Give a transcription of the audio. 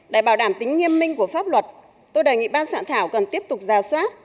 để bảo đảm tính nghiêm minh của pháp luật tôi đề nghị ban soạn thảo cần tiếp tục ra soát